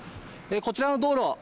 こちらの道路